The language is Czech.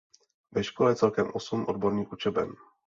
Ve škole je celkem osm odborných učeben.